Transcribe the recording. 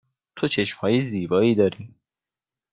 تو چشم های زیبایی داری.